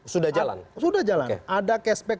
sudah jalan sudah jalan ada cashback